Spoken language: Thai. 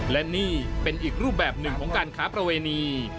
และนี่เป็นอีกรูปแบบหนึ่งของการค้าประเวณี